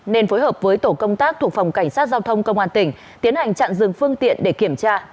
nên phối hợp với tổ công tác thuộc phòng cảnh sát giao thông công an tỉnh tiến hành chặn dừng phương tiện để kiểm tra